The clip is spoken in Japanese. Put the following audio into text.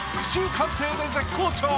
完成で絶好調！